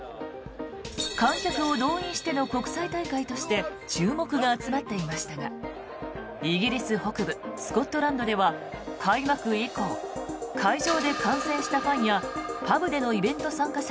観客を動員しての国際大会として注目が集まっていましたがイギリス北部スコットランドでは開幕以降会場で観戦したファンやパブでのイベント参加者